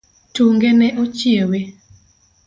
Tunge ne ochiewe.